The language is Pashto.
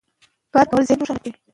مکتوبونه د استازو لخوا وړل کیږي.